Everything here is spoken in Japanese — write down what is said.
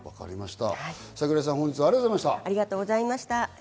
桜井さん、本日はありがとうございました。